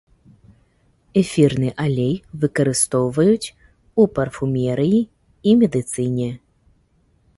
Эфірны алей выкарыстоўваюць у парфумерыі і медыцыне.